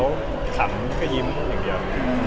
ก็เห็นเขาขำก็ยิ้มอย่างเดียว